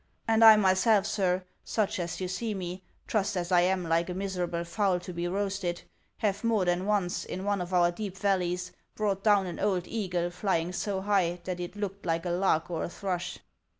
And I my self, sir, such as you see me, trussed as I am like a miser able fowl to be roasted, have more than once, in one of our deep valleys, brought down an old eagle flying so high that it looked like a lark or a thrush."